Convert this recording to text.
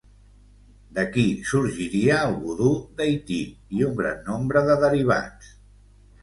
D'aquí sorgiria el vodú d'Haití i un gran nombre de derivats.